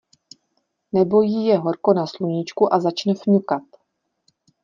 Nebo jí je horko na sluníčku a začne fňukat.